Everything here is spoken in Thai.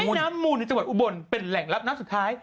น้ำมูลในจังหวัดอุบลเป็นแหล่งรับน้ำสุดท้าย